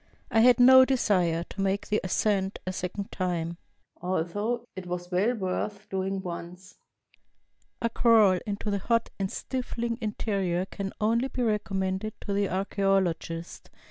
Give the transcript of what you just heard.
I had no desire to make the ascent a second time, although it was well worth doing once. A crawl into the hot and stifling interior can only be recommended to the archaeologist.